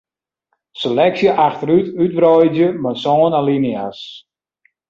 Seleksje achterút útwreidzje mei sân alinea's.